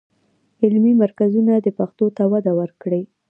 علمي مرکزونه دې پښتو ته وده ورکړي.